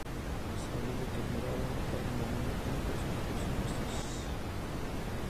Es sabido que admiraba a Claude Monet y a otros impresionistas.